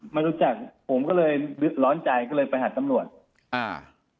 ไม่รู้จักผมก็เลยร้อนใจก็เลยไปหาตำรวจอ่า